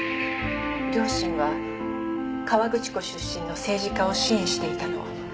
両親は河口湖出身の政治家を支援していたの。